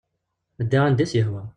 Ddiɣ anda i as-yehwa.